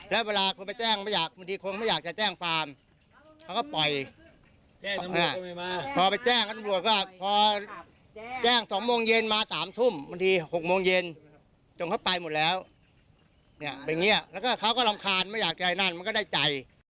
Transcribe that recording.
แล้วก็เค้าก็รำคาญไม่อยากใจนั่นมันก็ได้ใจ